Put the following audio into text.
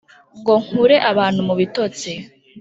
ngo nkure abantu mu bitotsi